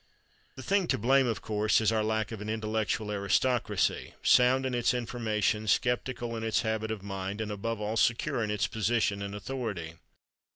The thing to blame, of course, is our lack of an intellectual aristocracy—sound in its information, skeptical in its habit of mind, and, above all, secure in its position and authority.